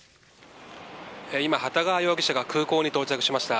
今、幟川容疑者が空港に到着しました。